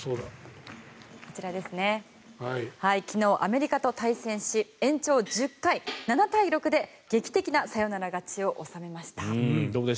こちら、昨日アメリカと対戦し延長１０回７対６で劇的なサヨナラ勝ちを収めました。